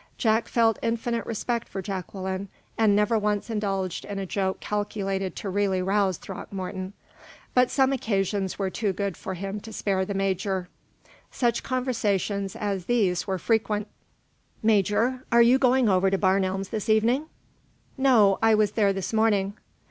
Jack felt infinite respect for Jacqueline, and never once indulged in a joke calculated to really rouse Throckmorton; but some occasions were too good for him to spare the major. Such conversations as these were frequent: "Major, are you going over to Barn Elms this evening?" "No, I was there this morning."